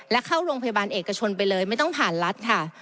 และเข้าโรงพยาบาลเอกชนไปเลยไม่ต้องผ่านรัฐค่ะ